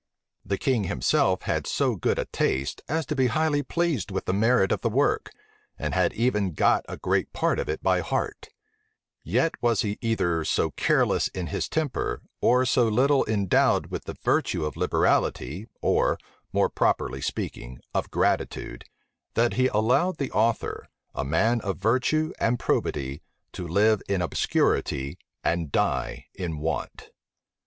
The king himself had so good a taste as to be highly pleased with the merit of the work, and had even got a great part of it by heart: yet was he either so careless in his temper, or so little endowed with the virtue of liberality, or, more properly speaking, of gratitude, that he allowed the author, a man of virtue and probity, to live in obscurity, and die in want.[*] * Butler died in 1680, aged sixty eight.